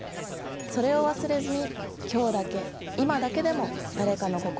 それを忘れずに今日だけ今だけでも誰かの心を受け取ってみてください。